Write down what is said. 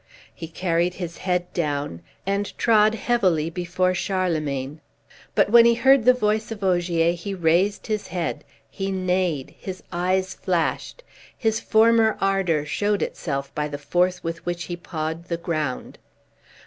He carried his head down, and trod heavily before Charlemagne; but when he heard the voice of Ogier he raised his head, he neighed, his eyes flashed, his former ardor showed itself by the force with which he pawed the ground.